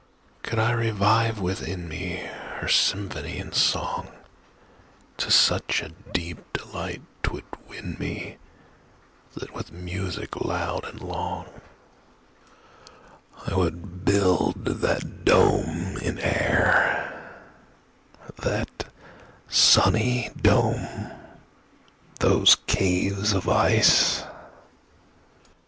Could I revive within meHer symphony and song, To such a deep delight 'twould win me, That with music loud and long,I would build that done in air, That sunny dome! those caves of ice!